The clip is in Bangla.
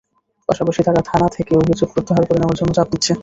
পাশাপাশি তারা থানা থেকে অভিযোগ প্রত্যাহার করে নেওয়ার জন্য চাপ দিচ্ছে।